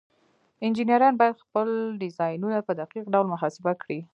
انجینران باید خپل ډیزاینونه په دقیق ډول محاسبه کړي.